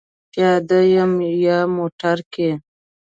پیاده یم یا موټر کې؟